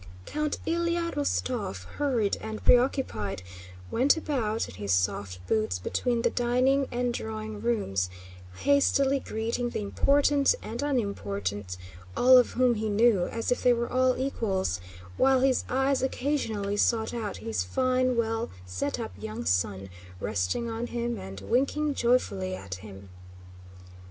Count Ilyá Rostóv, hurried and preoccupied, went about in his soft boots between the dining and drawing rooms, hastily greeting the important and unimportant, all of whom he knew, as if they were all equals, while his eyes occasionally sought out his fine well set up young son, resting on him and winking joyfully at him.